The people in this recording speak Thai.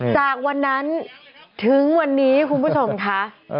จากวันนั้นถึงวันนี้คุณผู้ชมค่ะ